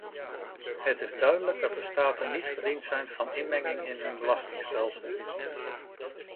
Het is duidelijk dat de staten niet gediend zijn van inmenging in hun belastingstelsel.